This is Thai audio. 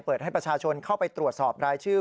ให้ประชาชนเข้าไปตรวจสอบรายชื่อ